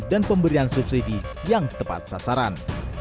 dan pemberian subsidi yang tepat sasaran